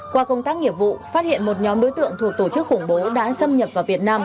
qua công tác nghiệp vụ phát hiện một nhóm đối tượng thuộc tổ chức khủng bố đã xâm nhập vào việt nam